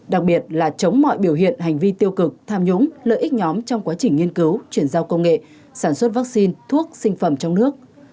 đặc biệt là chống mọi biểu hiện hành vi tiêu cực tham nhũng lợi ích nhóm trong quá trình nghiên cứu chuyển giao công nghệ sản xuất vaccine thuốc sinh phẩm trong nước